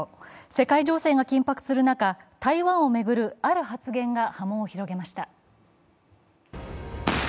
世界情勢が緊迫する中、台湾を巡るある発言が波紋を広げました。